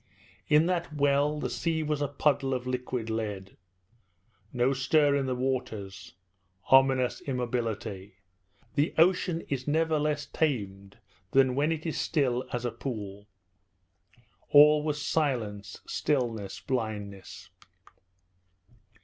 In that well the sea was a puddle of liquid lead. No stir in the waters ominous immobility! The ocean is never less tamed than when it is still as a pool. All was silence, stillness, blindness.